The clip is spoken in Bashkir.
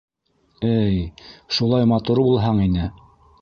Эй, шулай матур булһаң ине!